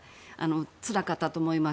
つらかったと思います。